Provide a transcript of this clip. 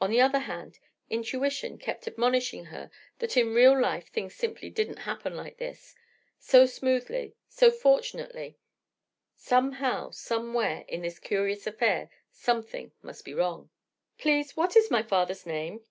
On the other hand, intuition kept admonishing her that in real life things simply didn't happen like this, so smoothly, so fortunately; somehow, somewhere, in this curious affair, something must be wrong. "Please: what is my father's name?"